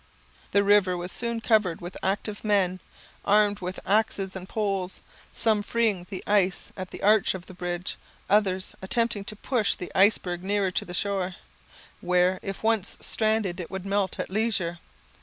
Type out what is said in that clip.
The river was soon covered with active men, armed with axes and poles, some freeing the ice at the arch of the bridge, others attempting to push the iceberg nearer to the shore, where, if once stranded, it would melt at leisure.